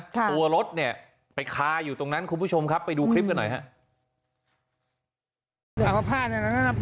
ตัวรถเนี่ยไปคาอยู่ตรงนั้นคุณผู้ชมครับไปดูคลิปกันหน่อยครับ